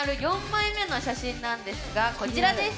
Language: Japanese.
４枚目の写真なんですがこちらです。